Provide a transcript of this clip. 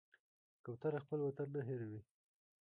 کوتره خپل وطن نه هېروي.